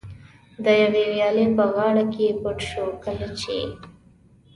د یوې ویالې په غاړه کې پټ شو، کله چې.